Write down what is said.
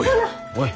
おい。